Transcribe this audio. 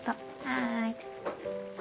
はい。